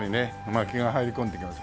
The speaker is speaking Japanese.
薪が入り込んできます。